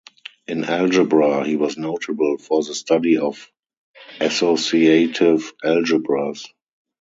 In algebra, he was notable for the study of associative algebras.